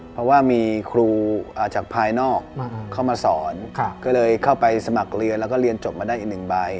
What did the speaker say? เพราะว่ามีครูจากภายนอกเข้ามาสอนก็เลยเข้าไปสมัครเรียนแล้วก็เรียนจบมาได้อีกหนึ่งใบ